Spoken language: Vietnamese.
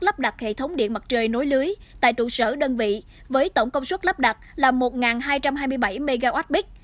lắp đặt hệ thống điện mặt trời nối lưới tại trụ sở đơn vị với tổng công suất lắp đặt là một hai trăm hai mươi bảy mwp